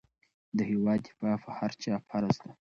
د هېواد دفاع په هر چا فرض ده.